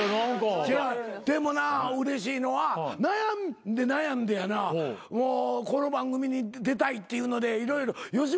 でもなうれしいのは悩んで悩んでやなこの番組に出たいっていうので色々吉本の上層部が動いてやで。